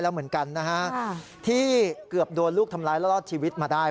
แล้วเหมือนกันนะฮะที่เกือบโดนลูกทำร้ายแล้วรอดชีวิตมาได้